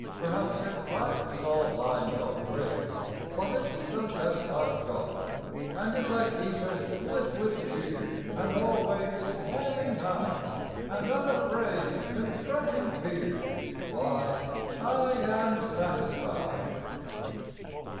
Perhaps it lacks all lines of grace, But it s the best I ve got, And if I keep it lit with cheer, And always smiling eyed, And unafraid confronting fear Why, I am satisfied.